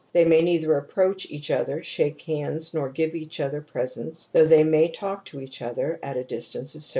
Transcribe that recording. They may neither approach each other, shake hands, nor give each other presents, though they may talk to each other at a distance of several paces.